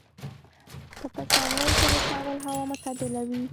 په پسرلي کې د کابل هوا معتدله وي.